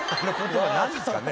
何ですかね。